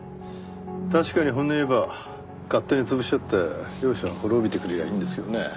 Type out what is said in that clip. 確かに本音言えば勝手に潰し合って両者滅びてくれりゃいいんですけどね。